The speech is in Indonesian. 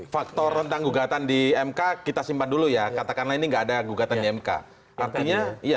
faktor tentang gugatan di mka kita simpan dulu ya katakanlah ini enggak ada gugatan di mka